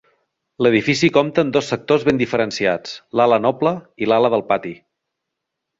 L'Edifici compta amb dos sectors ben diferenciats: l'ala noble i l'ala del pati.